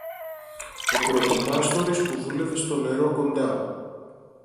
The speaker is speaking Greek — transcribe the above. Ο πρωτομάστορης που δούλευε στο νερό κοντά